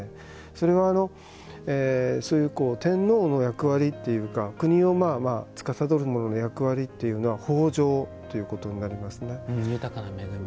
それはそういう天皇の役割というか国をつかさどる者の役割というのは豊穣ということになりますね。